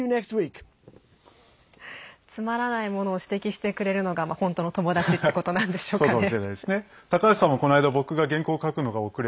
つまらないものを指摘してくれるのが本当の友達ってことなんでしょうかね。